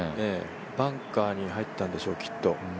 バンカーに入ったんでしょう、きっと。